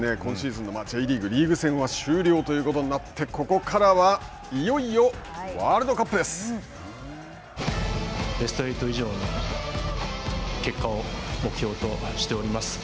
これで今シーズンのＪリーグ、リーグ戦は、終了ということになって、ここからは、いよいよベスト８以上の結果を目標としております。